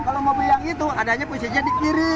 kalau mobil yang itu adanya puisinya di kiri